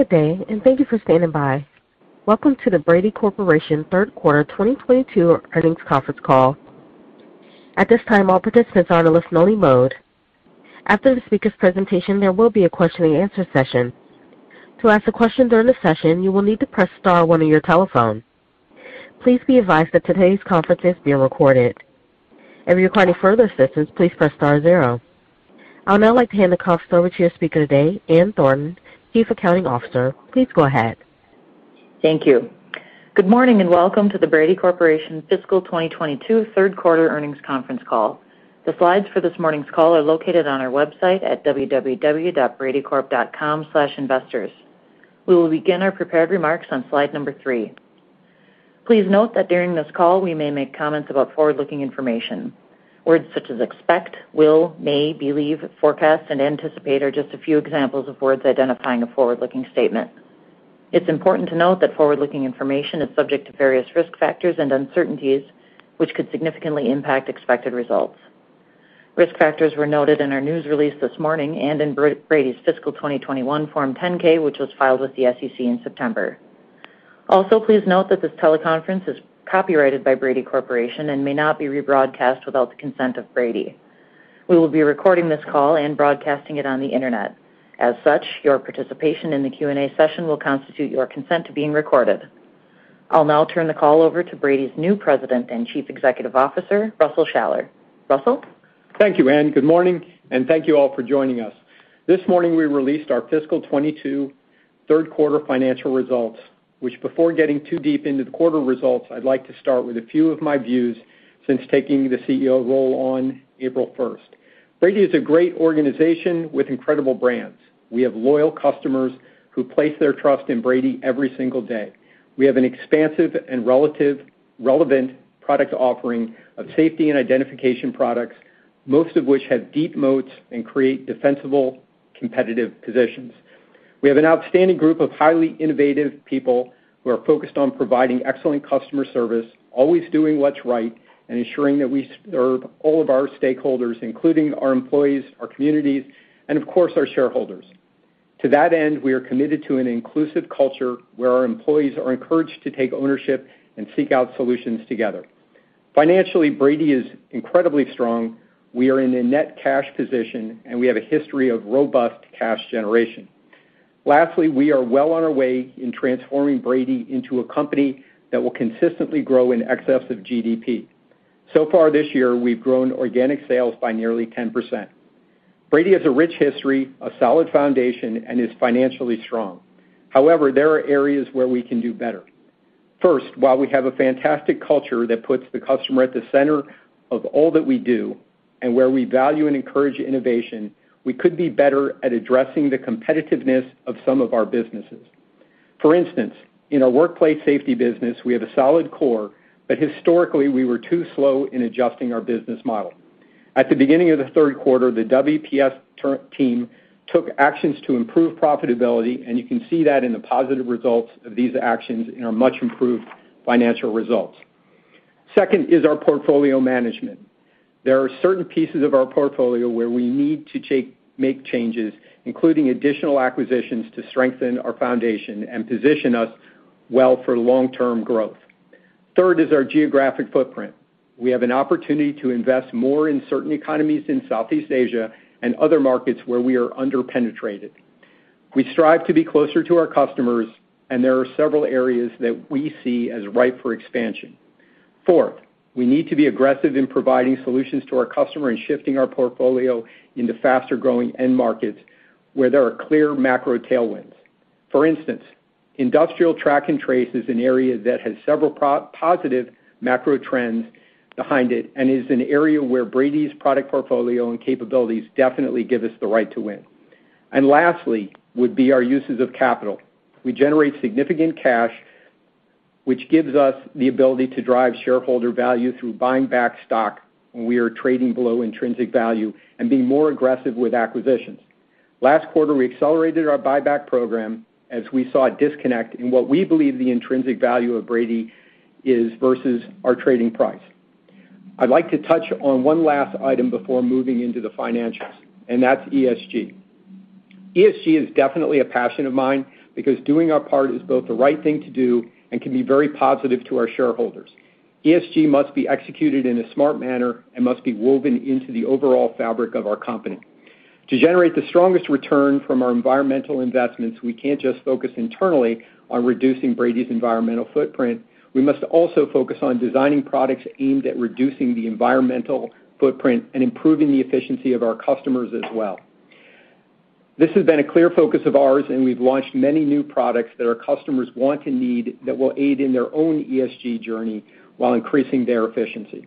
Good day, and thank you for standing by. Welcome to the Brady Corporation third quarter 2022 earnings conference call. At this time, all participants are in a listen-only mode. After the speaker's presentation, there will be a question-and-answer session. To ask a question during the session, you will need to press star one on your telephone. Please be advised that today's conference is being recorded. If you require any further assistance, please press star zero. I would now like to hand the call over to your speaker today, Ann Thornton, Chief Accounting Officer. Please go ahead. Thank you. Good morning, and welcome to the Brady Corporation fiscal 2022 third quarter earnings conference call. The slides for this morning's call are located on our website at www.bradycorp.com/investors. We will begin our prepared remarks on slide number three. Please note that during this call, we may make comments about forward-looking information. Words such as expect, will, may, believe, forecast, and anticipate are just a few examples of words identifying a forward-looking statement. It's important to note that forward-looking information is subject to various risk factors and uncertainties, which could significantly impact expected results. Risk factors were noted in our news release this morning and in Brady's fiscal 2021 Form 10-K, which was filed with the SEC in September. Also, please note that this teleconference is copyrighted by Brady Corporation and may not be rebroadcast without the consent of Brady. We will be recording this call and broadcasting it on the Internet. As such, your participation in the Q&A session will constitute your consent to being recorded. I'll now turn the call over to Brady's new President and Chief Executive Officer, Russell Shaller. Russell? Thank you, Ann. Good morning, and thank you all for joining us. This morning, we released our fiscal 2022 third quarter financial results, which before getting too deep into the quarter results, I'd like to start with a few of my views since taking the Chief Executive Officer role on April 1st. Brady is a great organization with incredible brands. We have loyal customers who place their trust in Brady every single day. We have an expansive and relevant product offering of safety and identification products, most of which have deep moats and create defensible, competitive positions. We have an outstanding group of highly innovative people who are focused on providing excellent customer service, always doing what's right, and ensuring that we serve all of our stakeholders, including our employees, our communities, and of course, our shareholders. To that end, we are committed to an inclusive culture where our employees are encouraged to take ownership and seek out solutions together. Financially, Brady is incredibly strong. We are in a net cash position, and we have a history of robust cash generation. Lastly, we are well on our way in transforming Brady into a company that will consistently grow in excess of GDP. So far this year, we've grown organic sales by nearly 10%. Brady has a rich history, a solid foundation, and is financially strong. However, there are areas where we can do better. First, while we have a fantastic culture that puts the customer at the center of all that we do and where we value and encourage innovation, we could be better at addressing the competitiveness of some of our businesses. For instance, in our workplace safety business, we have a solid core, but historically, we were too slow in adjusting our business model. At the beginning of the third quarter, the WPS team took actions to improve profitability, and you can see that in the positive results of these actions in our much-improved financial results. Second is our portfolio management. There are certain pieces of our portfolio where we need to make changes, including additional acquisitions, to strengthen our foundation and position us well for long-term growth. Third is our geographic footprint. We have an opportunity to invest more in certain economies in Southeast Asia and other markets where we are under-penetrated. We strive to be closer to our customers, and there are several areas that we see as ripe for expansion. Fourth, we need to be aggressive in providing solutions to our customer and shifting our portfolio into faster-growing end markets where there are clear macro tailwinds. For instance, industrial track and trace is an area that has several positive macro trends behind it and is an area where Brady's product portfolio and capabilities definitely give us the right to win. Lastly would be our uses of capital. We generate significant cash, which gives us the ability to drive shareholder value through buying back stock when we are trading below intrinsic value and being more aggressive with acquisitions. Last quarter, we accelerated our buyback program as we saw a disconnect in what we believe the intrinsic value of Brady is versus our trading price. I'd like to touch on one last item before moving into the financials, and that's ESG. ESG is definitely a passion of mine because doing our part is both the right thing to do and can be very positive to our shareholders. ESG must be executed in a smart manner and must be woven into the overall fabric of our company. To generate the strongest return from our environmental investments, we can't just focus internally on reducing Brady's environmental footprint. We must also focus on designing products aimed at reducing the environmental footprint and improving the efficiency of our customers as well. This has been a clear focus of ours, and we've launched many new products that our customers want and need that will aid in their own ESG journey while increasing their efficiency.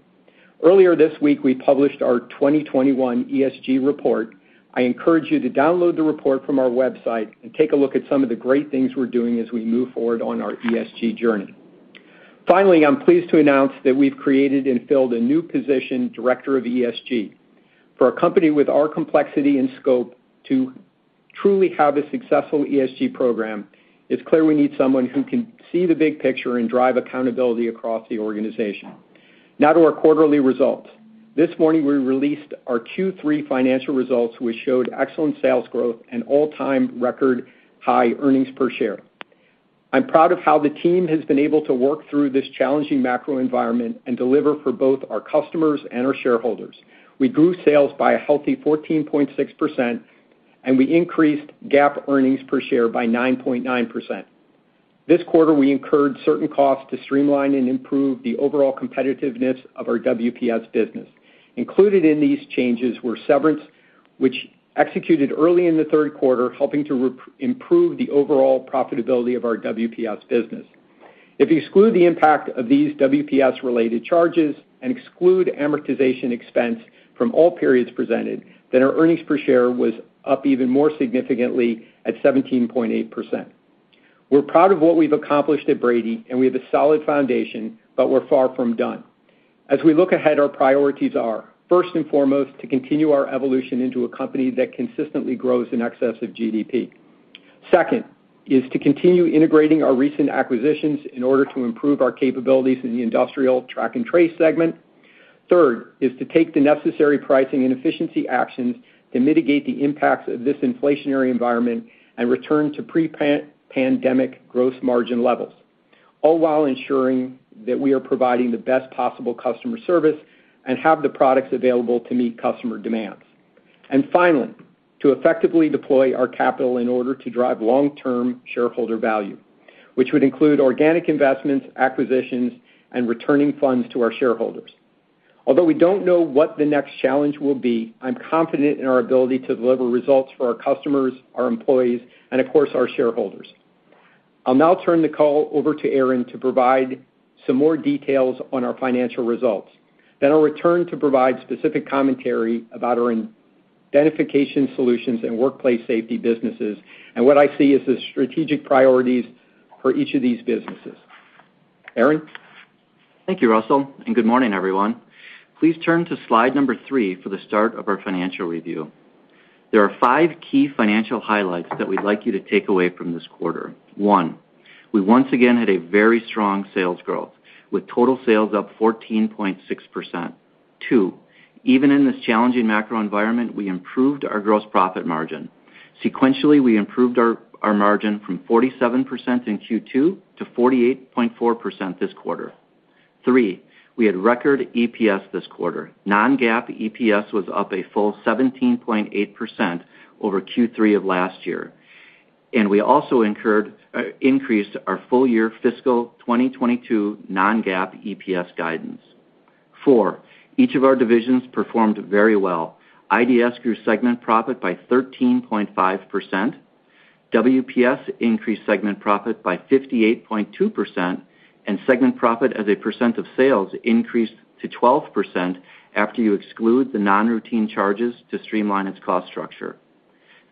Earlier this week, we published our 2021 ESG report. I encourage you to download the report from our website and take a look at some of the great things we're doing as we move forward on our ESG journey. Finally, I'm pleased to announce that we've created and filled a new position, Director of ESG. For a company with our complexity and scope to truly have a successful ESG program, it's clear we need someone who can see the big picture and drive accountability across the organization. Now to our quarterly results. This morning, we released our Q3 financial results, which showed excellent sales growth and all-time record high earnings per share. I'm proud of how the team has been able to work through this challenging macro environment and deliver for both our customers and our shareholders. We grew sales by a healthy 14.6%, and we increased GAAP earnings per share by 9.9%. This quarter, we incurred certain costs to streamline and improve the overall competitiveness of our WPS business. Included in these changes were severance, which executed early in the third quarter, helping to improve the overall profitability of our WPS business. If you exclude the impact of these WPS-related charges and exclude amortization expense from all periods presented, then our earnings per share was up even more significantly at 17.8%. We're proud of what we've accomplished at Brady, and we have a solid foundation, but we're far from done. As we look ahead, our priorities are, first and foremost, to continue our evolution into a company that consistently grows in excess of GDP. Second is to continue integrating our recent acquisitions in order to improve our capabilities in the industrial track and trace segment. Third is to take the necessary pricing and efficiency actions to mitigate the impacts of this inflationary environment and return to pre-pan-pandemic gross margin levels, all while ensuring that we are providing the best possible customer service and have the products available to meet customer demands. Finally, to effectively deploy our capital in order to drive long-term shareholder value, which would include organic investments, acquisitions, and returning funds to our shareholders. Although we don't know what the next challenge will be, I'm confident in our ability to deliver results for our customers, our employees, and of course, our shareholders. I'll now turn the call over to Aaron to provide some more details on our financial results. I'll return to provide specific commentary about our Identification Solutions and Workplace Safety businesses and what I see as the strategic priorities for each of these businesses. Aaron? Thank you, Russell, and good morning, everyone. Please turn to slide number three for the start of our financial review. There are five key financial highlights that we'd like you to take away from this quarter. One, we once again had a very strong sales growth, with total sales up 14.6%. Two, even in this challenging macro environment, we improved our gross profit margin. Sequentially, we improved our margin from 47% in Q2 to 48.4% this quarter. Three, we had record EPS this quarter. Non-GAAP EPS was up a full 17.8% over Q3 of last year, and we also increased our full-year fiscal 2022 Non-GAAP EPS guidance. Four, each of our divisions performed very well. IDS grew segment profit by 13.5%. WPS increased segment profit by 58.2%, and segment profit as a percent of sales increased to 12% after you exclude the non-routine charges to streamline its cost structure.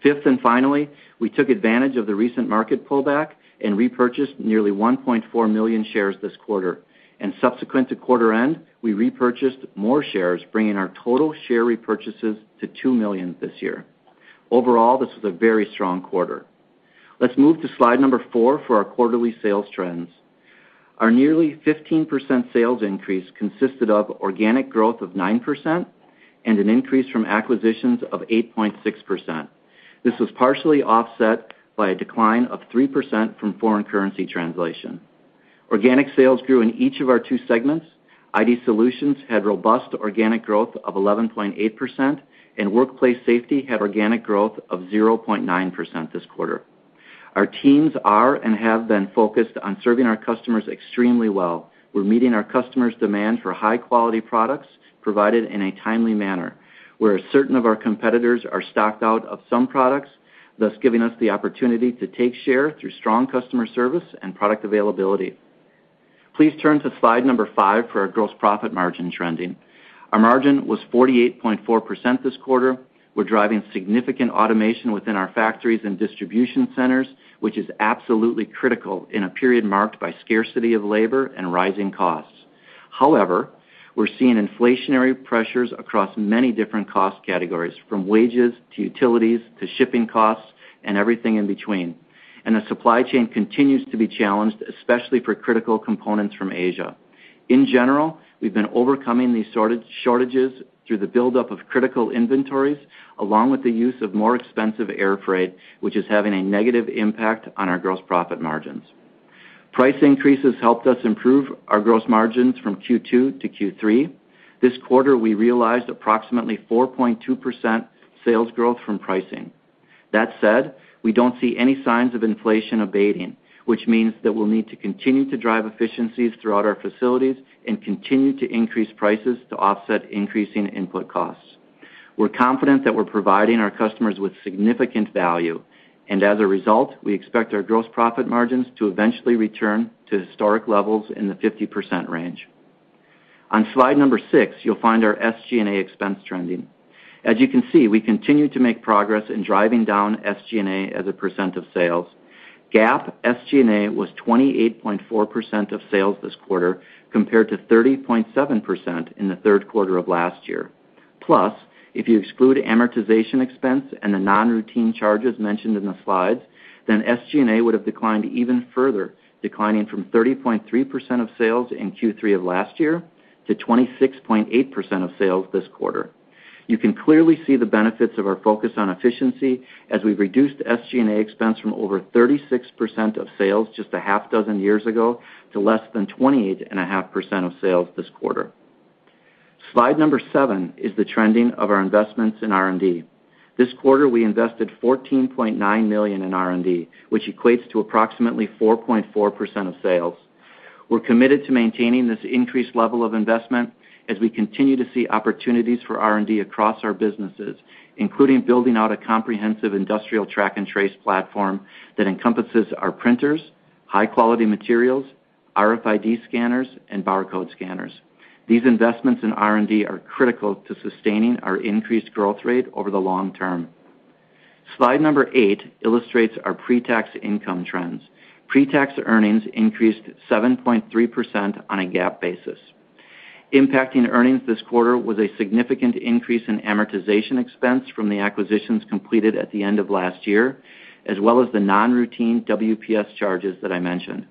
Fifth, and finally, we took advantage of the recent market pullback and repurchased nearly 1.4 million shares this quarter. Subsequent to quarter end, we repurchased more shares, bringing our total share repurchases to 2 million this year. Overall, this was a very strong quarter. Let's move to slide number four for our quarterly sales trends. Our nearly 15% sales increase consisted of organic growth of 9% and an increase from acquisitions of 8.6%. This was partially offset by a decline of 3% from foreign currency translation. Organic sales grew in each of our two segments. Identification Solutions had robust organic growth of 11.8%, and Workplace Safety had organic growth of 0.9% this quarter. Our teams are and have been focused on serving our customers extremely well. We're meeting our customers' demand for high-quality products provided in a timely manner. Where certain of our competitors are stocked out of some products, thus giving us the opportunity to take share through strong customer service and product availability. Please turn to slide five for our gross profit margin trending. Our margin was 48.4% this quarter. We're driving significant automation within our factories and distribution centers, which is absolutely critical in a period marked by scarcity of labor and rising costs. However, we're seeing inflationary pressures across many different cost categories, from wages to utilities to shipping costs and everything in between. The supply chain continues to be challenged, especially for critical components from Asia. In general, we've been overcoming these sort of shortages through the buildup of critical inventories, along with the use of more expensive air freight, which is having a negative impact on our gross profit margins. Price increases helped us improve our gross margins from Q2-Q3. This quarter, we realized approximately 4.2% sales growth from pricing. That said, we don't see any signs of inflation abating, which means that we'll need to continue to drive efficiencies throughout our facilities and continue to increase prices to offset increasing input costs. We're confident that we're providing our customers with significant value. As a result, we expect our gross profit margins to eventually return to historic levels in the 50% range. On slide number six, you'll find our SG&A expense trending. As you can see, we continue to make progress in driving down SG&A as a percent of sales. GAAP SG&A was 28.4% of sales this quarter, compared to 30.7% in the third quarter of last year. If you exclude amortization expense and the non-routine charges mentioned in the slides, then SG&A would have declined even further, declining from 30.3% of sales in Q3 of last year to 26.8% of sales this quarter. You can clearly see the benefits of our focus on efficiency as we've reduced SG&A expense from over 36% of sales just a half dozen years ago to less than 28.5% of sales this quarter. Slide number seven is the trending of our investments in R&D. This quarter, we invested $14.9 million in R&D, which equates to approximately 4.4% of sales. We're committed to maintaining this increased level of investment as we continue to see opportunities for R&D across our businesses, including building out a comprehensive industrial track and trace platform that encompasses our printers, high-quality materials, RFID scanners, and barcode scanners. These investments in R&D are critical to sustaining our increased growth rate over the long term. Slide number eight illustrates our pre-tax income trends. Pre-tax earnings increased 7.3% on a GAAP basis. Impacting earnings this quarter was a significant increase in amortization expense from the acquisitions completed at the end of last year, as well as the non-routine WPS charges that I mentioned.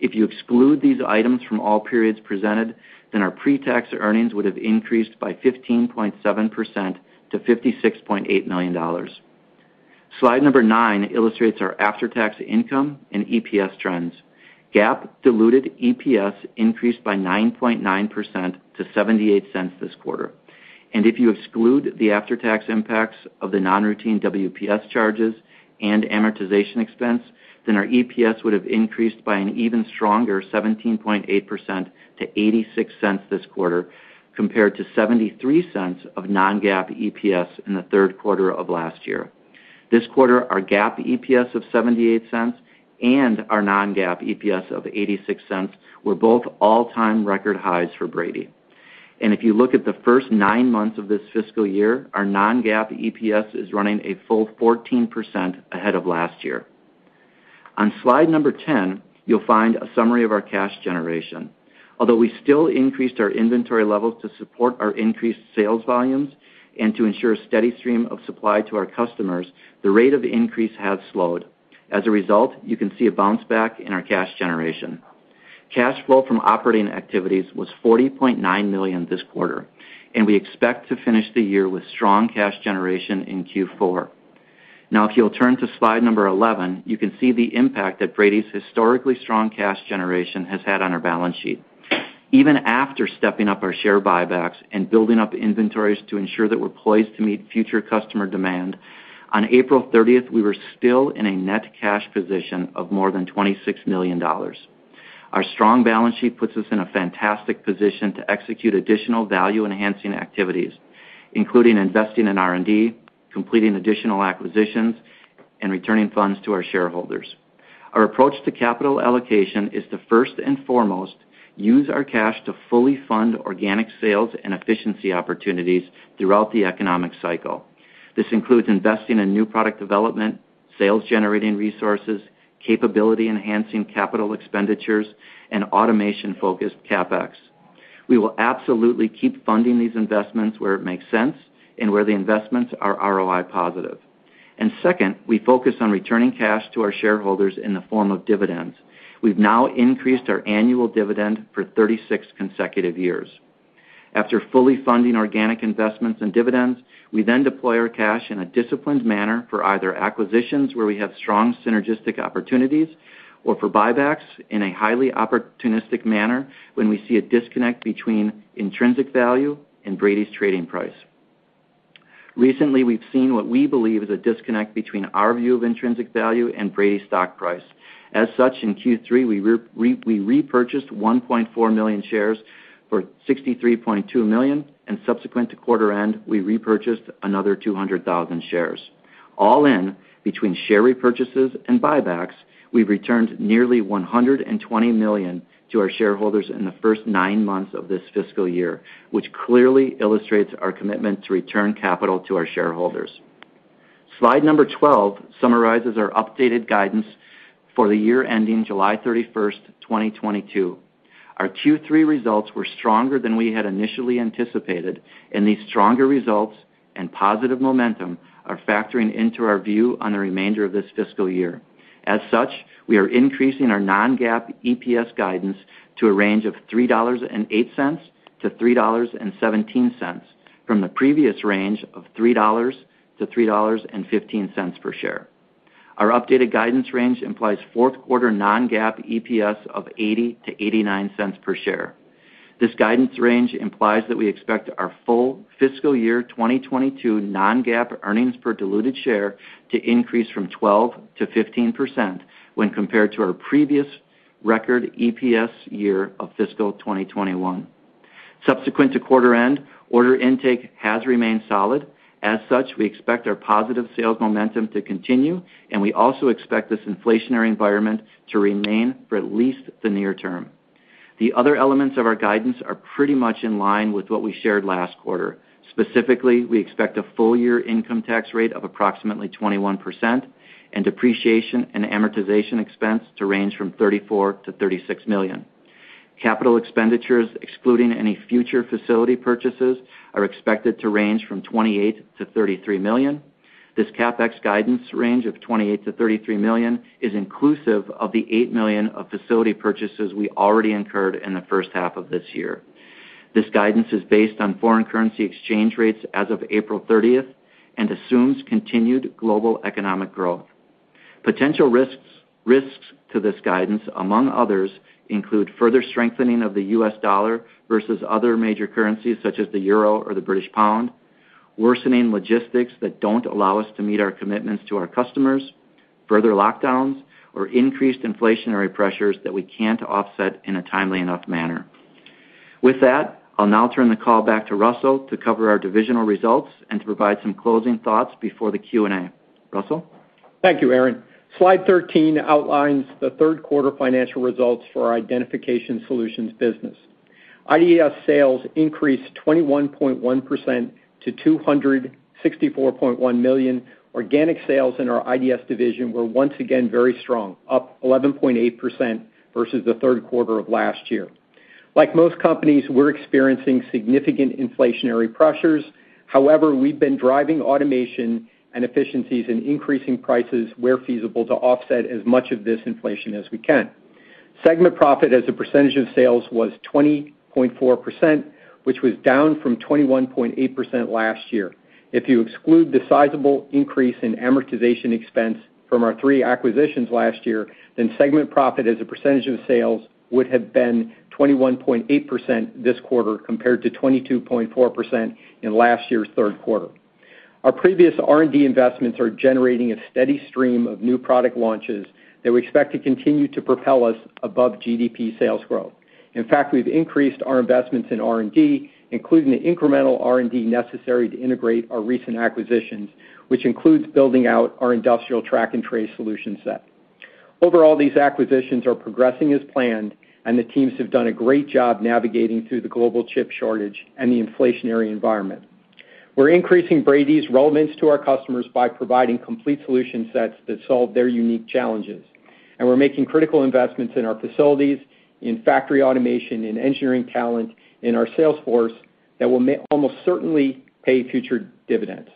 If you exclude these items from all periods presented, then our pre-tax earnings would have increased by 15.7% to $56.8 million. Slide nine illustrates our after-tax income and EPS trends. GAAP diluted EPS increased by 9.9% to $0.78 this quarter. If you exclude the after-tax impacts of the non-routine WPS charges and amortization expense, then our EPS would have increased by an even stronger 17.8% to $0.86 this quarter, compared to $0.73 Non-GAAP EPS in the third quarter of last year. This quarter, our GAAP EPS of $0.78 and our Non-GAAP EPS of $0.86 were both all-time record highs for Brady. If you look at the first nine months of this fiscal year, our Non-GAAP EPS is running a full 14% ahead of last year. On Slide number 10, you'll find a summary of our cash generation. Although we still increased our inventory levels to support our increased sales volumes and to ensure a steady stream of supply to our customers, the rate of increase has slowed. As a result, you can see a bounce-back in our cash generation. Cash flow from operating activities was $40.9 million this quarter, and we expect to finish the year with strong cash generation in Q4. Now, if you'll turn to Slide number 11, you can see the impact that Brady's historically strong cash generation has had on our balance sheet. Even after stepping up our share buybacks and building up inventories to ensure that we're poised to meet future customer demand, on April 30th, we were still in a net cash position of more than $26 million. Our strong balance sheet puts us in a fantastic position to execute additional value-enhancing activities, including investing in R&D, completing additional acquisitions, and returning funds to our shareholders. Our approach to capital allocation is to first and foremost use our cash to fully fund organic sales and efficiency opportunities throughout the economic cycle. This includes investing in new product development, sales-generating resources, capability-enhancing capital expenditures, and automation-focused CapEx. We will absolutely keep funding these investments where it makes sense and where the investments are ROI positive. Second, we focus on returning cash to our shareholders in the form of dividends. We've now increased our annual dividend for 36 consecutive years. After fully funding organic investments and dividends, we then deploy our cash in a disciplined manner for either acquisitions where we have strong synergistic opportunities or for buybacks in a highly opportunistic manner when we see a disconnect between intrinsic value and Brady's trading price. Recently, we've seen what we believe is a disconnect between our view of intrinsic value and Brady's stock price. As such, in Q3, we repurchased 1.4 million shares for $63.2 million, and subsequent to quarter end, we repurchased another 200,000 shares. All in, between share repurchases and buybacks, we've returned nearly $120 million to our shareholders in the first nine months of this fiscal year, which clearly illustrates our commitment to return capital to our shareholders. Slide number 12 summarizes our updated guidance for the year ending July 31st, 2022. Our Q3 results were stronger than we had initially anticipated, and these stronger results and positive momentum are factoring into our view on the remainder of this fiscal year. As such, we are increasing our Non-GAAP EPS guidance to a range of $3.08-$3.17 from the previous range of $3.00-$3.15 per share. Our updated guidance range implies fourth quarter Non-GAAP EPS of $0.80-$0.89 per share. This guidance range implies that we expect our full fiscal year 2022 Non-GAAP earnings per diluted share to increase 12%-15% when compared to our previous record EPS year of fiscal 2021. Subsequent to quarter end, order intake has remained solid. As such, we expect our positive sales momentum to continue, and we also expect this inflationary environment to remain for at least the near term. The other elements of our guidance are pretty much in line with what we shared last quarter. Specifically, we expect a full-year income tax rate of approximately 21% and depreciation and amortization expense to range from $34 million-$36 million. Capital expenditures, excluding any future facility purchases, are expected to range from $28 million-$33 million. This CapEx guidance range of $28 million-$33 million is inclusive of the $8 million of facility purchases we already incurred in the first half of this year. This guidance is based on foreign currency exchange rates as of April 30th and assumes continued global economic growth. Potential risks to this guidance, among others, include further strengthening of the U.S.$ versus other major currencies such as the euro or the British pound, worsening logistics that don't allow us to meet our commitments to our customers, further lockdowns or increased inflationary pressures that we can't offset in a timely enough manner. With that, I'll now turn the call back to Russell to cover our divisional results and to provide some closing thoughts before the Q&A. Russell? Thank you, Aaron. Slide 13 outlines the third quarter financial results for our Identification Solutions business. IDS sales increased 21.1% to $264.1 million. Organic sales in our IDS division were once again very strong, up 11.8% versus the third quarter of last year. Like most companies, we're experiencing significant inflationary pressures. However, we've been driving automation and efficiencies and increasing prices where feasible to offset as much of this inflation as we can. Segment profit as a percentage of sales was 20.4%, which was down from 21.8% last year. If you exclude the sizable increase in amortization expense from our three acquisitions last year, then segment profit as a percentage of sales would have been 21.8% this quarter compared to 22.4% in last year's third quarter. Our previous R&D investments are generating a steady stream of new product launches that we expect to continue to propel us above GDP sales growth. In fact, we've increased our investments in R&D, including the incremental R&D necessary to integrate our recent acquisitions, which includes building out our industrial track and trace solution set. Overall, these acquisitions are progressing as planned, and the teams have done a great job navigating through the global chip shortage and the inflationary environment. We're increasing Brady's relevance to our customers by providing complete solution sets that solve their unique challenges. We're making critical investments in our facilities, in factory automation, in engineering talent, in our sales force that will almost certainly pay future dividends.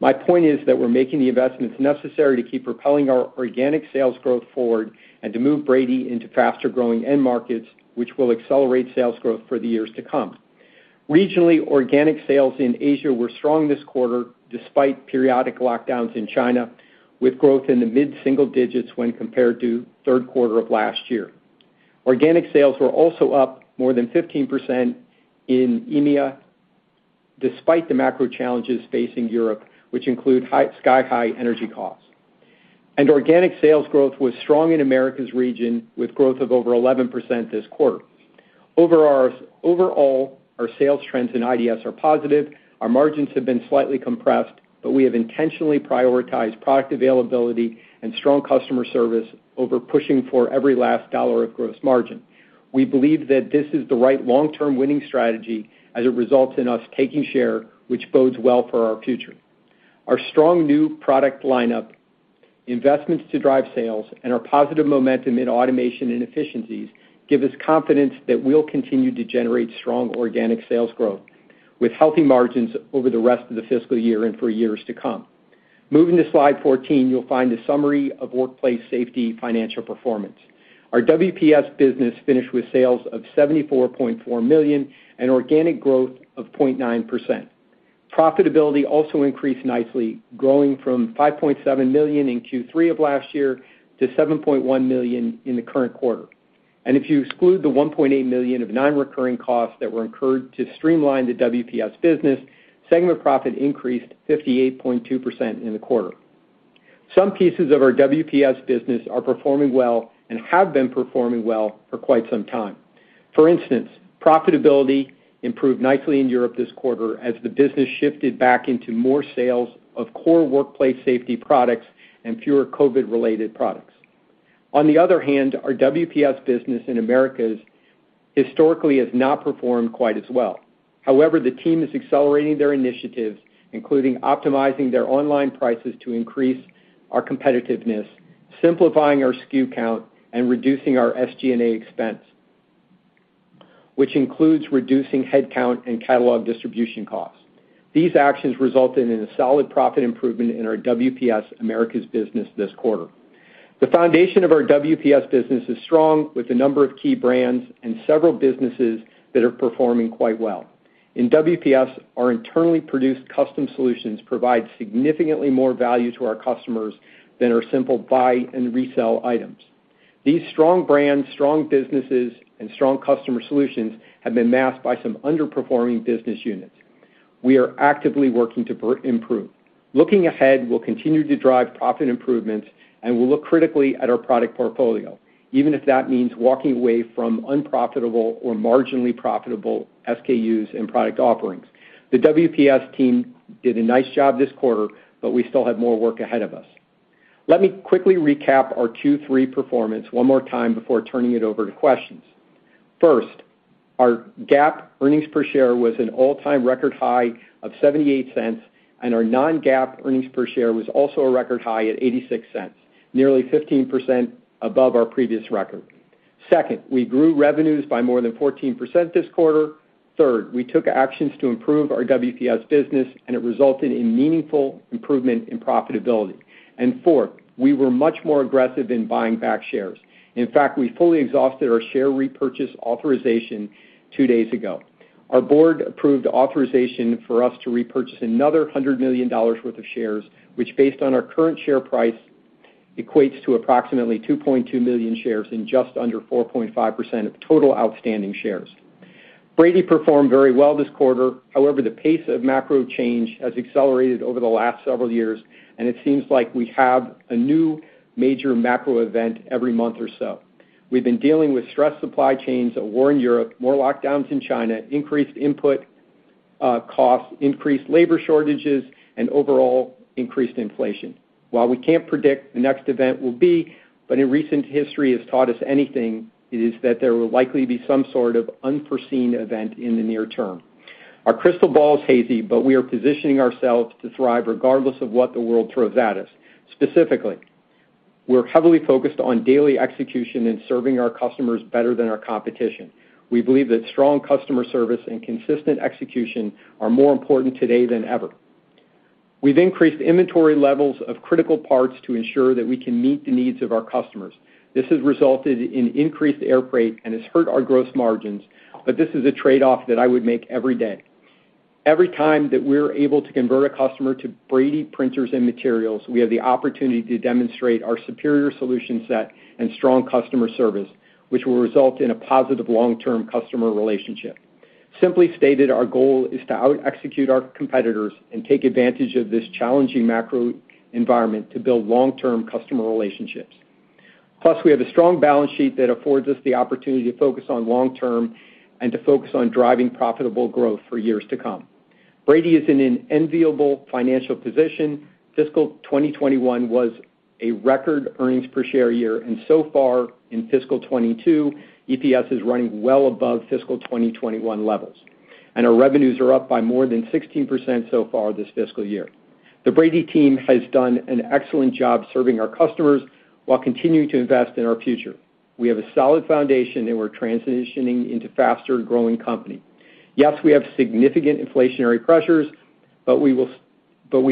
My point is that we're making the investments necessary to keep propelling our organic sales growth forward and to move Brady into faster-growing end markets, which will accelerate sales growth for the years to come. Regionally, organic sales in Asia were strong this quarter, despite periodic lockdowns in China, with growth in the mid-single digits when compared to third quarter of last year. Organic sales were also up more than 15% in EMEA, despite the macro challenges facing Europe, which include sky-high energy costs. Organic sales growth was strong in Americas region, with growth of over 11% this quarter. Overall, our sales trends in IDS are positive. Our margins have been slightly compressed, but we have intentionally prioritized product availability and strong customer service over pushing for every last dollar of gross margin. We believe that this is the right long-term winning strategy as it results in us taking share, which bodes well for our future. Our strong new product lineup, investments to drive sales, and our positive momentum in automation and efficiencies give us confidence that we'll continue to generate strong organic sales growth with healthy margins over the rest of the fiscal year and for years to come. Moving to Slide 14, you'll find a summary of Workplace Safety financial performance. Our WPS business finished with sales of $74.4 million and organic growth of 0.9%. Profitability also increased nicely, growing from $5.7 million in Q3 of last year to $7.1 million in the current quarter. If you exclude the $1.8 million of non-recurring costs that were incurred to streamline the WPS business, segment profit increased 58.2% in the quarter. Some pieces of our WPS business are performing well and have been performing well for quite some time. For instance, profitability improved nicely in Europe this quarter as the business shifted back into more sales of core workplace safety products and fewer COVID-related products. On the other hand, our WPS business in Americas historically has not performed quite as well. However, the team is accelerating their initiatives, including optimizing their online prices to increase our competitiveness, simplifying our SKU count, and reducing our SG&A expense, which includes reducing headcount and catalog distribution costs. These actions resulted in a solid profit improvement in our WPS Americas business this quarter. The foundation of our WPS business is strong with a number of key brands and several businesses that are performing quite well. In WPS, our internally produced custom solutions provide significantly more value to our customers than our simple buy-and-resell items. These strong brands, strong businesses, and strong customer solutions have been masked by some underperforming business units. We are actively working to improve. Looking ahead, we'll continue to drive profit improvements, and we'll look critically at our product portfolio, even if that means walking away from unprofitable or marginally profitable SKUs and product offerings. The WPS team did a nice job this quarter, but we still have more work ahead of us. Let me quickly recap our Q3 performance one more time before turning it over to questions. First, our GAAP earnings per share was an all-time record high of $0.78, and our Non-GAAP earnings per share was also a record high at $0.86, nearly 15% above our previous record. Second, we grew revenues by more than 14% this quarter. Third, we took actions to improve our WPS business, and it resulted in meaningful improvement in profitability. Fourth, we were much more aggressive in buying back shares. In fact, we fully exhausted our share repurchase authorization two days ago. Our board approved authorization for us to repurchase another $100 million worth of shares, which based on our current share price, equates to approximately 2.2 million shares in just under 4.5% of total outstanding shares. Brady performed very well this quarter. However, the pace of macro change has accelerated over the last several years, and it seems like we have a new major macro event every month or so. We've been dealing with stressed supply chains, a war in Europe, more lockdowns in China, increased input costs, increased labor shortages, and overall increased inflation. While we can't predict the next event will be, but if recent history has taught us anything, it is that there will likely be some sort of unforeseen event in the near term. Our crystal ball is hazy, but we are positioning ourselves to thrive regardless of what the world throws at us. Specifically, we're heavily focused on daily execution and serving our customers better than our competition. We believe that strong customer service and consistent execution are more important today than ever. We've increased inventory levels of critical parts to ensure that we can meet the needs of our customers. This has resulted in increased air freight and has hurt our gross margins, but this is a trade-off that I would make every day. Every time that we're able to convert a customer to Brady printers and materials, we have the opportunity to demonstrate our superior solution set and strong customer service, which will result in a positive long-term customer relationship. Simply stated, our goal is to out-execute our competitors and take advantage of this challenging macro environment to build long-term customer relationships. Plus, we have a strong balance sheet that affords us the opportunity to focus on long term and to focus on driving profitable growth for years to come. Brady is in an enviable financial position. Fiscal 2021 was a record earnings per share year, and so far in fiscal 2022, EPS is running well above fiscal 2021 levels, and our revenues are up by more than 16% so far this fiscal year. The Brady team has done an excellent job serving our customers while continuing to invest in our future. We have a solid foundation, and we're transitioning into faster growing company. Yes, we have significant inflationary pressures, but we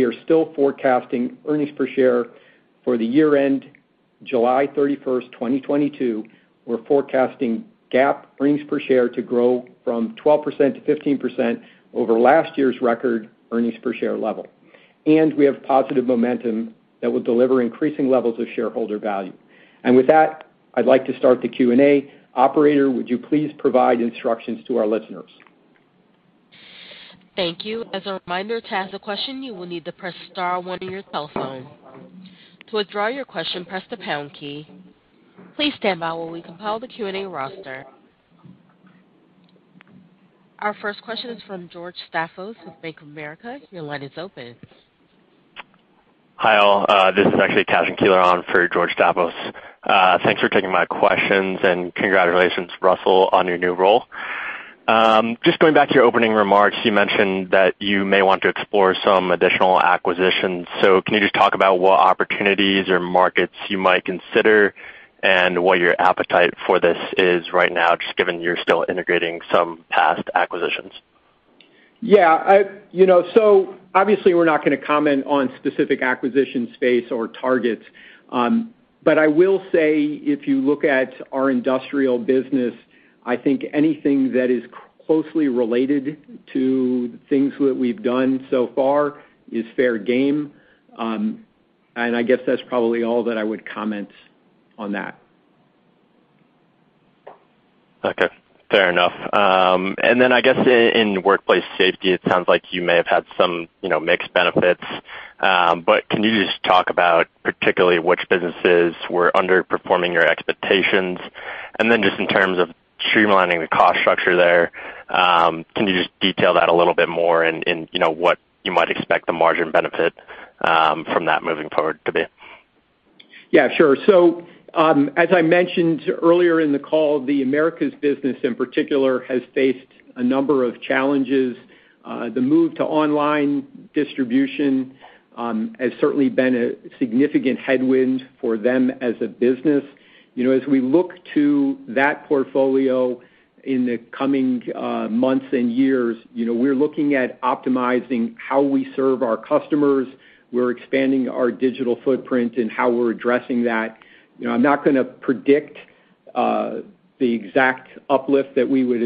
are still forecasting earnings per share for the year end July 31st, 2022. We're forecasting GAAP earnings per share to grow 12%-15% over last year's record earnings per share level. With that, I'd like to start the Q&A. Operator, would you please provide instructions to our listeners? Thank you. As a reminder, to ask a question, you will need to press star one on your cell phone. To withdraw your question, press the pound key. Please stand by while we compile the Q&A roster. Our first question is from George Staphos of Bank of America. Your line is open. Hi, all. This is actually Cashen Keeler on for George Staphos. Thanks for taking my questions, and congratulations, Russell, on your new role. Just going back to your opening remarks, you mentioned that you may want to explore some additional acquisitions. Can you just talk about what opportunities or markets you might consider and what your appetite for this is right now, just given you're still integrating some past acquisitions? You know, obviously we're not gonna comment on specific acquisition space or targets. I will say if you look at our industrial business, I think anything that is closely related to things that we've done so far is fair game. I guess that's probably all that I would comment on that. Okay, fair enough. I guess in Workplace Safety, it sounds like you may have had some, you know, mixed benefits. Can you just talk about particularly which businesses were underperforming your expectations? Just in terms of streamlining the cost structure there, can you just detail that a little bit more and you know, what you might expect the margin benefit from that moving forward to be? Yeah, sure. As I mentioned earlier in the call, the Americas business in particular has faced a number of challenges. The move to online distribution has certainly been a significant headwind for them as a business. You know, as we look to that portfolio in the coming months and years, you know, we're looking at optimizing how we serve our customers. We're expanding our digital footprint and how we're addressing that. You know, I'm not gonna predict the exact uplift that we would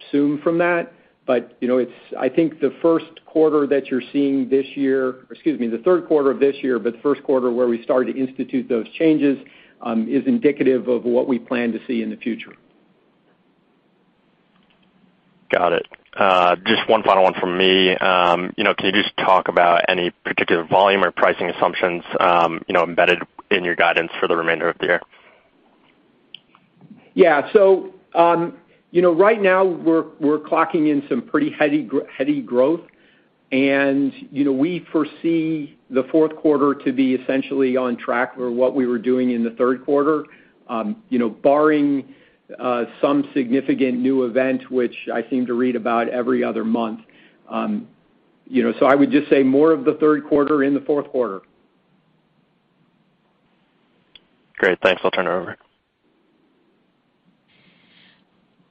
assume from that, but, you know, it's, I think, the first quarter that you're seeing this year, or excuse me, the third quarter of this year, but the first quarter where we started to institute those changes is indicative of what we plan to see in the future. Got it. Just one final one from me. You know, can you just talk about any particular volume or pricing assumptions, you know, embedded in your guidance for the remainder of the year? Yeah. You know, right now we're clocking in some pretty heady growth. You know, we foresee the fourth quarter to be essentially on track for what we were doing in the third quarter, you know, barring some significant new event, which I seem to read about every other month. You know, I would just say more of the third quarter in the fourth quarter. Great. Thanks. I'll turn it over.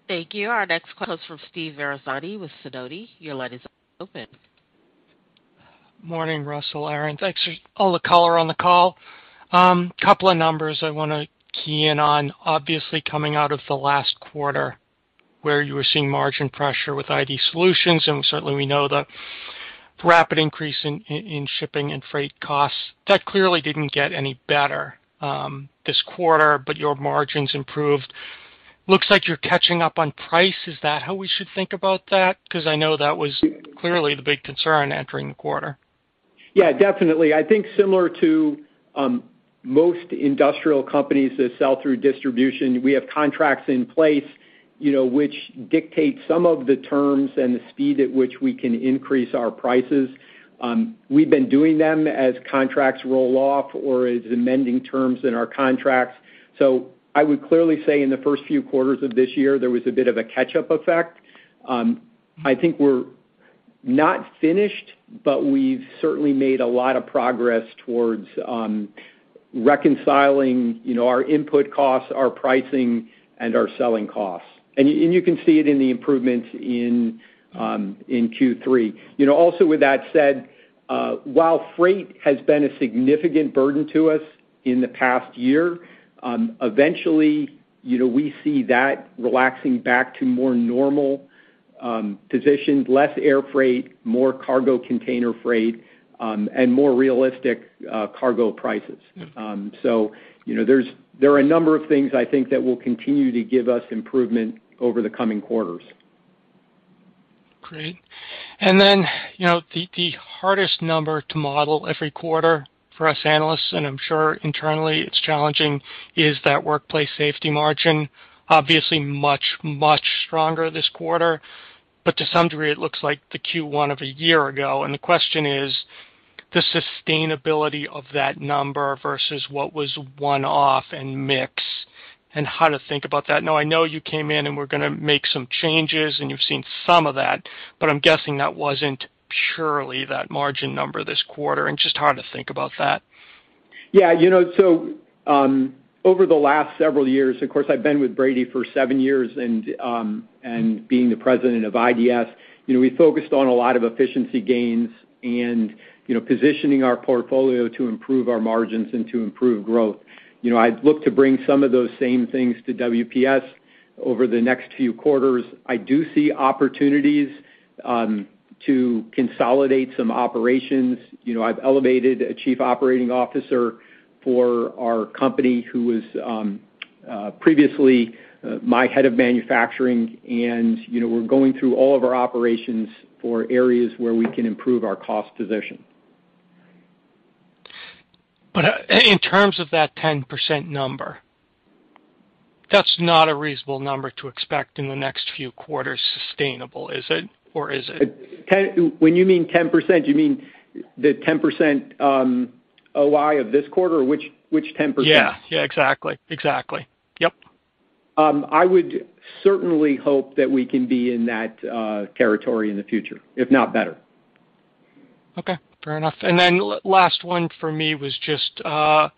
Thank you. Our next question comes from Steve Ferazani with Sidoti & Company. Your line is open. Morning, Russell, Aaron. Thanks for all the color on the call. A couple of numbers I wanna key in on. Obviously, coming out of the last quarter where you were seeing margin pressure with ID Solutions, and certainly we know the rapid increase in shipping and freight costs, that clearly didn't get any better, this quarter, but your margins improved. Looks like you're catching up on price. Is that how we should think about that? 'Cause I know that was clearly the big concern entering the quarter. Yeah, definitely. I think similar to most industrial companies that sell through distribution, we have contracts in place, you know, which dictate some of the terms and the speed at which we can increase our prices. We've been doing them as contracts roll off or as amending terms in our contracts. I would clearly say in the first few quarters of this year, there was a bit of a catch-up effect. I think we're not finished, but we've certainly made a lot of progress towards reconciling, you know, our input costs, our pricing, and our selling costs. You can see it in the improvements in Q3. You know, also with that said, while freight has been a significant burden to us in the past year, eventually, you know, we see that relaxing back to more normal positions, less air freight, more cargo container freight, and more realistic cargo prices. You know, there are a number of things I think that will continue to give us improvement over the coming quarters. Great. Then, you know, the hardest number to model every quarter for us analysts, and I'm sure internally it's challenging, is that Workplace Safety margin. Obviously much, much stronger this quarter, but to some degree it looks like the Q1 of a year ago. The question is the sustainability of that number versus what was one-off and mix and how to think about that. Now I know you came in and were gonna make some changes, and you've seen some of that, but I'm guessing that wasn't purely that margin number this quarter and just how to think about that. Yeah. You know, over the last several years, of course, I've been with Brady for seven years and being the president of IDS, you know, we focused on a lot of efficiency gains and, you know, positioning our portfolio to improve our margins and to improve growth. You know, I'd look to bring some of those same things to WPS over the next few quarters. I do see opportunities to consolidate some operations. You know, I've elevated a chief operating officer for our company who was previously my head of manufacturing, and, you know, we're going through all of our operations for areas where we can improve our cost position. In terms of that 10% number, that's not a reasonable number to expect in the next few quarters sustainable, is it, or is it? When you mean 10%, do you mean the 10%, OI of this quarter, or which 10%? Yeah. Exactly. Yep. I would certainly hope that we can be in that territory in the future, if not better. Okay. Fair enough. Last one for me was just, Well,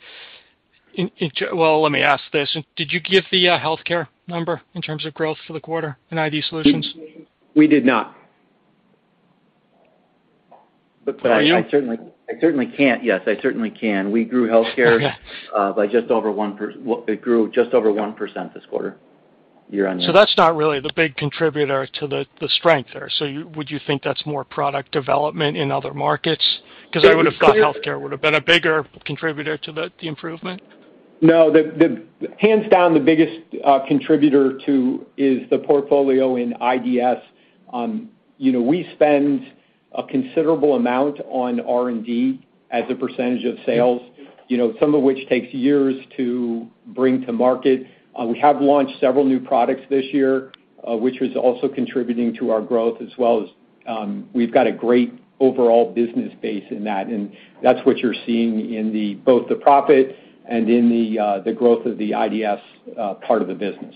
let me ask this. Did you give the healthcare number in terms of growth for the quarter in ID Solutions? We did not. Can you? I certainly can. Yes, I certainly can. We grew healthcare- Okay. It grew just over 1% this quarter year-on-year. That's not really the big contributor to the strength there. Would you think that's more product development in other markets? 'Cause I would have thought healthcare would have been a bigger contributor to the improvement. No. Hands down, the biggest contributor to is the portfolio in IDS. You know, we spend a considerable amount on R&D as a percentage of sales, you know, some of which takes years to bring to market. We have launched several new products this year, which is also contributing to our growth, as well as we've got a great overall business base in that, and that's what you're seeing in both the profit and in the growth of the IDS part of the business.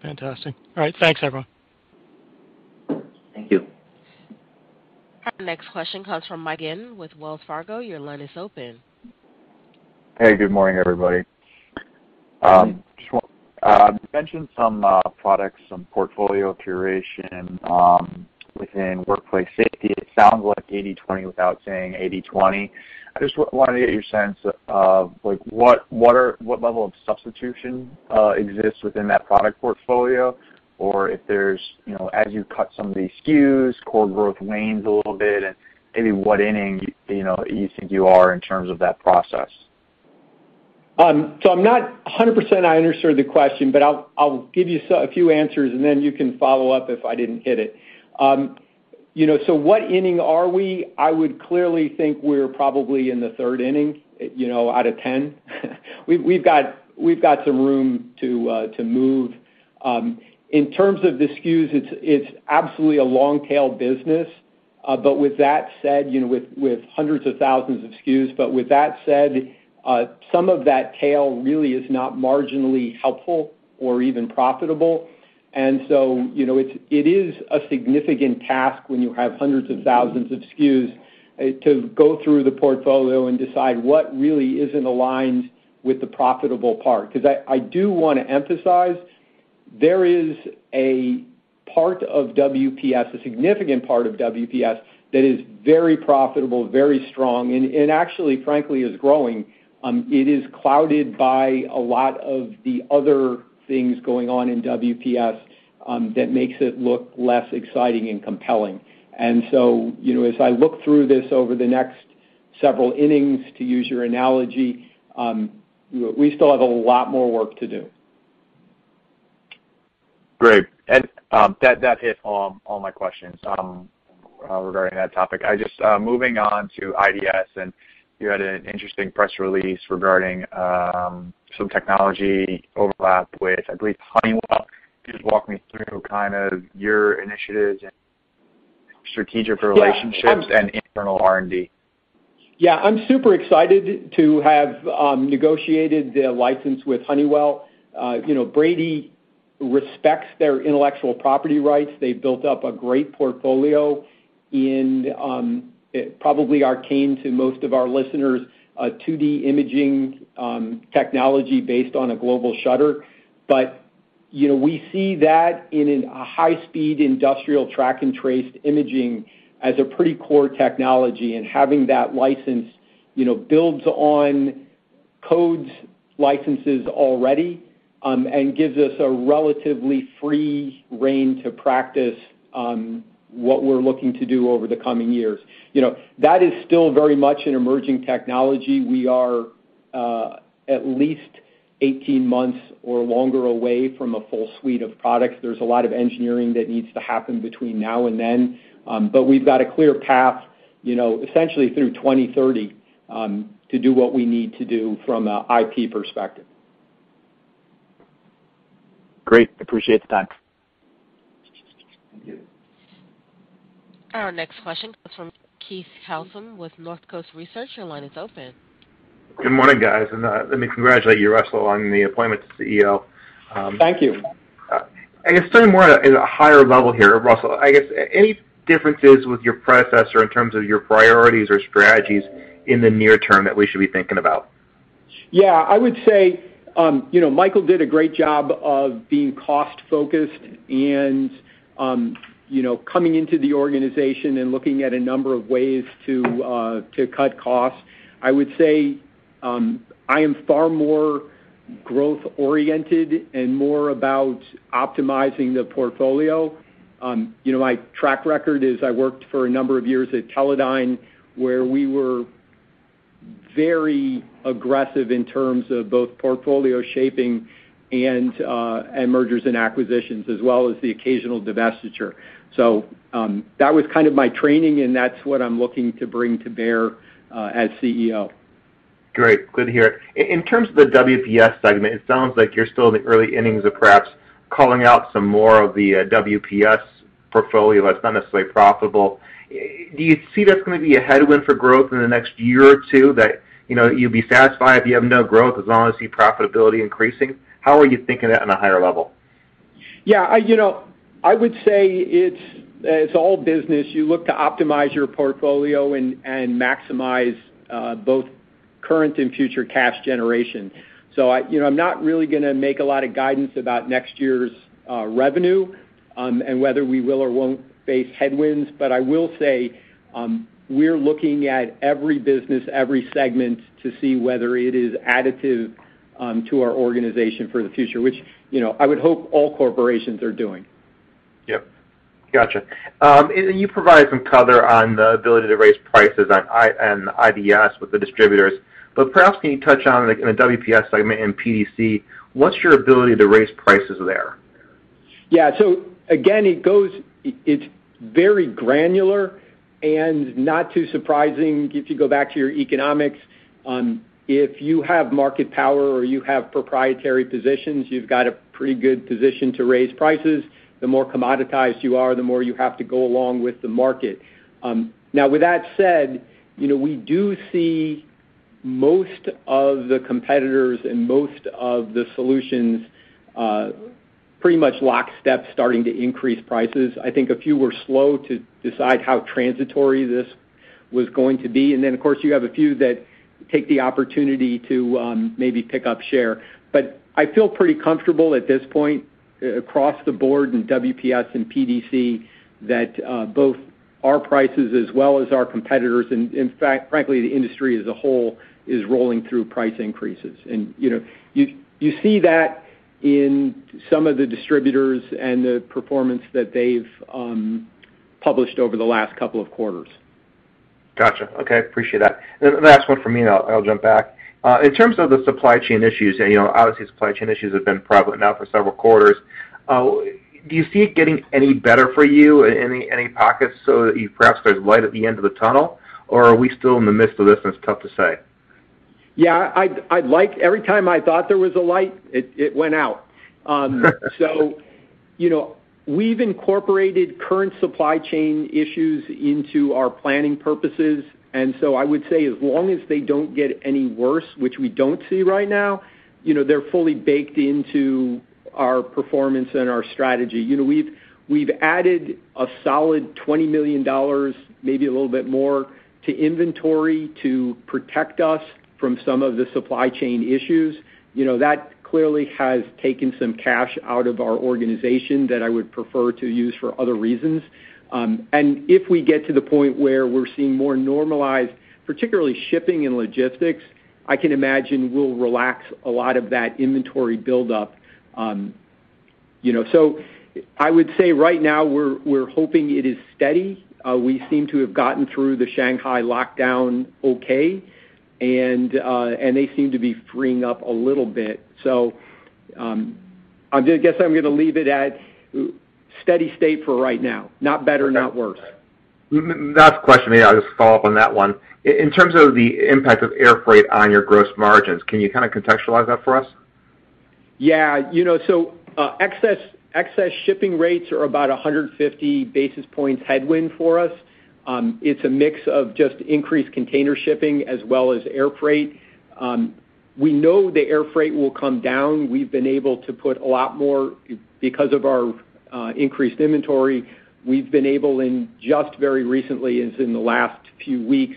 Fantastic. All right. Thanks, everyone. Thank you. Our next question comes from Michael McGinn with Wells Fargo. Your line is open. Hey, good morning, everybody. You mentioned some products, some portfolio curation within Workplace Safety. It sounds like 80/20 without saying 80/20. I just wanted to get your sense of like what level of substitution exists within that product portfolio or if there's, you know, as you cut some of the SKUs, core growth wanes a little bit, and maybe what inning you know you think you are in terms of that process. I'm not 100% sure I understood the question, but I'll give you a few answers, and then you can follow up if I didn't hit it. You know, what inning are we? I would clearly think we're probably in the third inning, you know, out of 10. We've got some room to move. In terms of the SKUs, it's absolutely a long-tail business. But with that said, you know, with hundreds of thousands of SKUs. But with that said, some of that tail really is not marginally helpful or even profitable. You know, it's a significant task when you have hundreds of thousands of SKUs to go through the portfolio and decide what really isn't aligned with the profitable part. Cause I do wanna emphasize there is a part of WPS, a significant part of WPS that is very profitable, very strong and actually, frankly, is growing. It is clouded by a lot of the other things going on in WPS that makes it look less exciting and compelling. You know, as I look through this over the next several innings, to use your analogy, we still have a lot more work to do. Great. That hit all my questions regarding that topic. I just moving on to IDS, and you had an interesting press release regarding some technology overlap with, I believe, Honeywell. Can you just walk me through kind of your initiatives and strategic relationships? Yeah. internal R&D? Yeah. I'm super excited to have negotiated the license with Honeywell. You know, Brady respects their intellectual property rights. They built up a great portfolio in, probably arcane to most of our listeners, a 2D imaging technology based on a global shutter. You know, we see that in a high-speed industrial track and trace imaging as a pretty core technology, and having that license, you know, builds on codes licenses already, and gives us a relatively free rein to practice what we're looking to do over the coming years. You know, that is still very much an emerging technology. We are at least 18 months or longer away from a full suite of products. There's a lot of engineering that needs to happen between now and then. We've got a clear path, you know, essentially through 2030, to do what we need to do from an IP perspective. Great. Appreciate the time. Thank you. Our next question comes from Keith Housum with North Coast Research. Your line is open. Good morning, guys. Let me congratulate you, Russell, on the appointment to Chief Executive Officer. Thank you. I guess starting more at a higher level here, Russell. I guess, any differences with your predecessor in terms of your priorities or strategies in the near term that we should be thinking about? Yeah. I would say, you know, Michael did a great job of being cost-focused and, you know, coming into the organization and looking at a number of ways to cut costs. I would say, I am far more growth oriented and more about optimizing the portfolio. You know, my track record is I worked for a number of years at Teledyne, where we were very aggressive in terms of both portfolio shaping and mergers and acquisitions, as well as the occasional divestiture. That was kind of my training, and that's what I'm looking to bring to bear as Chief Executive Officer. Great. Good to hear. In terms of the WPS segment, it sounds like you're still in the early innings of perhaps culling out some more of the WPS portfolio that's not necessarily profitable. Do you see that's gonna be a headwind for growth in the next year or two, that, you know, you'd be satisfied if you have no growth as long as you see profitability increasing? How are you thinking that on a higher level? Yeah. I you know I would say it's all business. You look to optimize your portfolio and maximize both current and future cash generation. I you know I'm not really gonna make a lot of guidance about next year's revenue and whether we will or won't face headwinds. I will say we're looking at every business, every segment to see whether it is additive to our organization for the future, which you know I would hope all corporations are doing. Yep. Gotcha. You provided some color on the ability to raise prices on IDS with the distributors. Perhaps can you touch on, like, in the WPS segment and PDC, what's your ability to raise prices there? Yeah. Again, it's very granular and not too surprising if you go back to your economics on if you have market power or you have proprietary positions. You've got a pretty good position to raise prices. The more commoditized you are, the more you have to go along with the market. Now with that said, you know, we do see most of the competitors and most of the solutions pretty much lockstep starting to increase prices. I think a few were slow to decide how transitory this was going to be. Then, of course, you have a few that take the opportunity to maybe pick up share. I feel pretty comfortable at this point across the board in WPS and PDC that both our prices as well as our competitors and, in fact, frankly, the industry as a whole is rolling through price increases. You know, you see that in some of the distributors and the performance that they've published over the last couple of quarters. Gotcha. Okay. Appreciate that. Last one from me, and I'll jump back. In terms of the supply chain issues, you know, obviously, supply chain issues have been a problem now for several quarters. Do you see it getting any better for you in any pockets so that you perhaps there's light at the end of the tunnel, or are we still in the midst of this, and it's tough to say? Every time I thought there was a light, it went out. You know, we've incorporated current supply chain issues into our planning purposes. I would say, as long as they don't get any worse, which we don't see right now, you know, they're fully baked into our performance and our strategy. You know, we've added a solid $20 million, maybe a little bit more, to inventory to protect us from some of the supply chain issues. You know, that clearly has taken some cash out of our organization that I would prefer to use for other reasons. If we get to the point where we're seeing more normalized, particularly shipping and logistics, I can imagine we'll relax a lot of that inventory buildup. I would say right now we're hoping it is steady. We seem to have gotten through the Shanghai lockdown okay, and they seem to be freeing up a little bit. I guess I'm gonna leave it at steady state for right now. Not better, not worse. Last question, yeah, I'll just follow up on that one. In terms of the impact of air freight on your gross margins, can you kinda contextualize that for us? Yeah. You know, excess shipping rates are about 150 basis points headwind for us. It's a mix of just increased container shipping as well as air freight. We know the air freight will come down. We've been able to put a lot more, because of our increased inventory. We've been able in, just very recently, as in the last few weeks,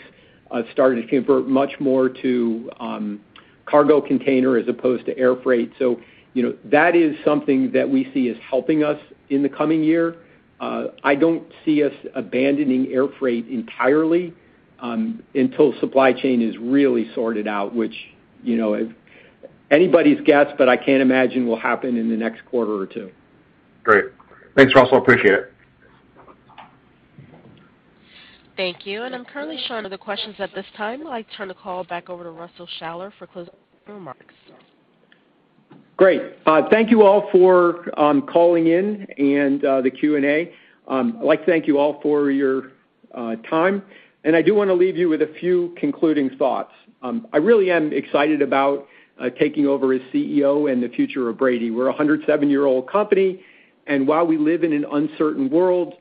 started to convert much more to cargo container as opposed to air freight. You know, that is something that we see as helping us in the coming year. I don't see us abandoning air freight entirely, until supply chain is really sorted out, which, you know, anybody's guess, but I can't imagine will happen in the next quarter or two. Great. Thanks, Russell. Appreciate it. Thank you. I'm currently showing no other questions at this time. I'd like to turn the call back over to Russell Shaller for closing remarks. Great. Thank you all for calling in and the Q&A. I'd like to thank you all for your time. I do wanna leave you with a few concluding thoughts. I really am excited about taking over as Chief Executive Officer and the future of Brady. We're a 107-year-old company, and while we live in an uncertain world,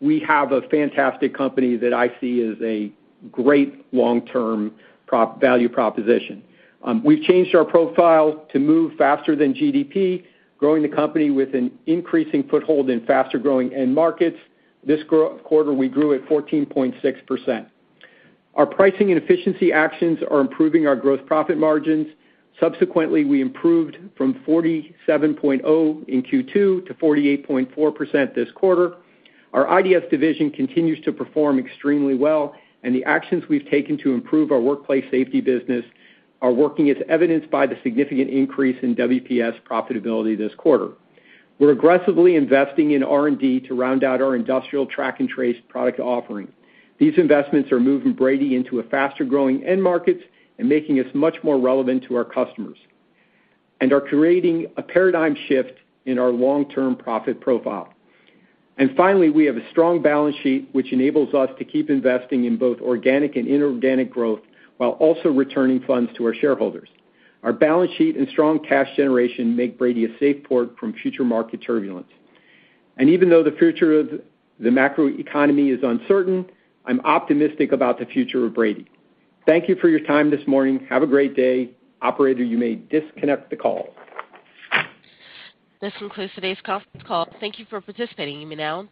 we have a fantastic company that I see as a great long-term value proposition. We've changed our profile to move faster than Gross Domestic Product, growing the company with an increasing foothold in faster-growing end markets. This quarter, we grew at 14.6%. Our pricing and efficiency actions are improving our gross profit margins. Subsequently, we improved from 47.0% in Q2 to 48.4% this quarter. Our IDS division continues to perform extremely well, and the actions we've taken to improve our workplace safety business are working as evidenced by the significant increase in WPS profitability this quarter. We're aggressively investing in R&D to round out our industrial track and trace product offering. These investments are moving Brady into a faster growing end markets and making us much more relevant to our customers and are creating a paradigm shift in our long-term profit profile. Finally, we have a strong balance sheet, which enables us to keep investing in both organic and inorganic growth while also returning funds to our shareholders. Our balance sheet and strong cash generation make Brady a safe port from future market turbulence. Even though the future of the macroeconomy is uncertain, I'm optimistic about the future of Brady. Thank you for your time this morning. Have a great day. Operator, you may disconnect the call. This concludes today's conference call. Thank you for participating. You may now disconnect.